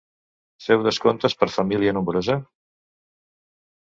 Feu descomptes per família nombrosa?